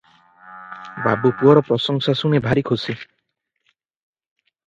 ବାବୁ ପୁଅର ପ୍ରଶଂସା ଶୁଣି ଭାରି ଖୁସି ।